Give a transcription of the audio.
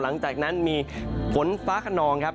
หลังจากนั้นมีฝนฟ้าขนองครับ